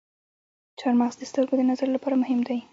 چارمغز د سترګو د نظر لپاره مهم دی.